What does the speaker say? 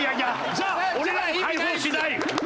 じゃあ俺ら解放しないよ！